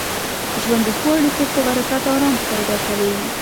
ژوند د ښو اړیکو په برکت ارام پیدا کوي.